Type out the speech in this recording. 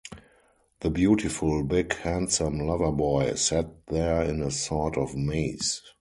The beautiful, big, handsome lover-boy sat there in a sort of maze.